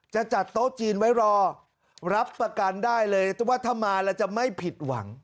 จะจัดโต๊ะจีนไว้รอรับประกันได้เลยว่าถ้ามาแล้วจะไม่ผิดหวัง